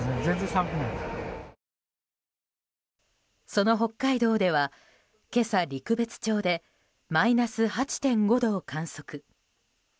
その北海道では今朝、陸別町でマイナス８．５度を観測。